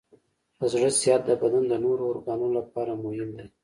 د زړه صحت د بدن د نورو ارګانونو لپاره مهم دی.